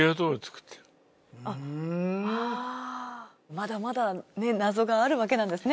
まだまだ謎があるわけなんですね